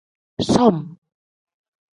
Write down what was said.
Som.